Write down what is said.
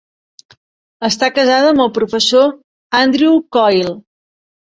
Està casada amb el professor Andrew Coyle.